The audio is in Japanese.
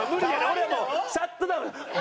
俺はもうシャットダウン！